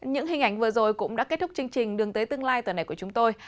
những hình ảnh vừa rồi cũng đã kết thúc chương trình đường tới tương lai tuần này của chúng tôi